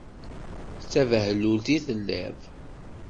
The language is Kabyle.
D tabehlult i telliḍ.